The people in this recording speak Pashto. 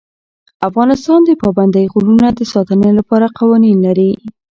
افغانستان د پابندی غرونه د ساتنې لپاره قوانین لري.